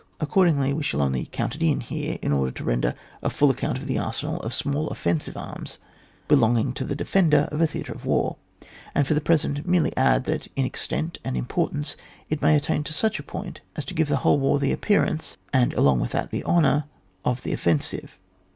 Accordingly we shall only count it in here, in order to render a full account of the arsenal of small offensive arms belonging to the de fender of a theatre of war, and for the present merely add that in extent and importance it may attain to such a point, as to give the whole war the appearance, and along with that the honour, of the offensive.